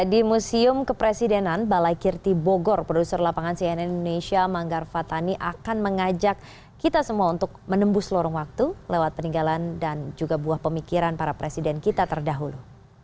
di museum kepresidenan balai kirti bogor produser lapangan cnn indonesia manggar fatani akan mengajak kita semua untuk menembus lorong waktu lewat peninggalan dan juga buah pemikiran para presiden kita terdahulu